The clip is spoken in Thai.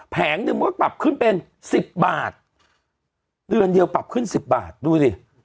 แผงหนึ่งมันก็ปรับขึ้นเป็น๑๐บาทเดือนเดียวปรับขึ้น๑๐บาทดูสิ